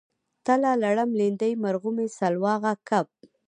تله لړم لیندۍ مرغومی سلواغه کب